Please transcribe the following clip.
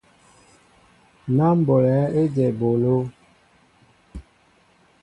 Ná ḿ ɓolɛέ éjem eɓoló.